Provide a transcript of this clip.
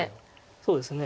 そうですね。